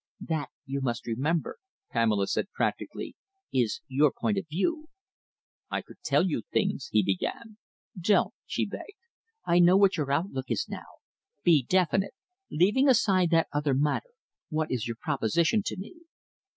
"That, you must remember," Pamela said practically, "is your point of view." "I could tell you things " he began. "Don't," she begged. "I know what your outlook is now. Be definite. Leaving aside that other matter, what is your proposition to me?"